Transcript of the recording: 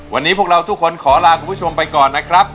วันนี้พวกเราทุกคนขอลาคุณผู้ชมไปก่อนนะครับ